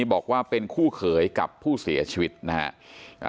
บอกว่าเป็นคู่เขยกับผู้เสียชีวิตนะฮะ